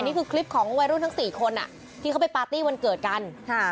นี่คือคลิปของวัยรุ่นทั้งสี่คนอ่ะที่เขาไปปาร์ตี้วันเกิดกันค่ะ